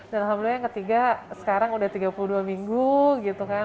dan alhamdulillah yang ketiga sekarang udah tiga puluh dua minggu gitu kan